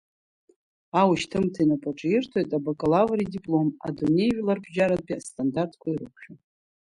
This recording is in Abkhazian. Аушьҭымҭа инапаҿы ирҭоит абакалавр идиплоп, адунеижәларбжьаратәи астандартқәа ирықәшәо.